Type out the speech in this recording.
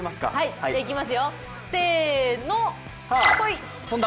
いきますよ、せーの飛んだ？